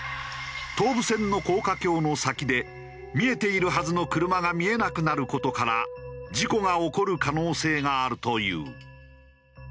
東武線の高架橋の先で見えているはずの車が見えなくなる事から事故が起こる可能性があるという。